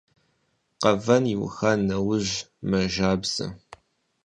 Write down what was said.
Къэвэн иуха нэужь мэжабзэ.